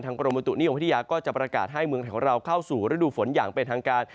กรมบุตุนิยมวิทยาก็จะประกาศให้เมืองไทยของเราเข้าสู่ฤดูฝนอย่างเป็นทางการ